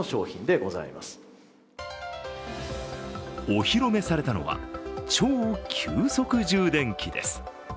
お披露目されたのは超急速充電器です。